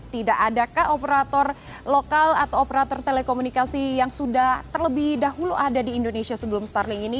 tidak adakah operator lokal atau operator telekomunikasi yang sudah terlebih dahulu ada di indonesia sebelum starling ini